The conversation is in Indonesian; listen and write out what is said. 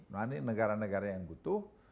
nah ini negara negara yang butuh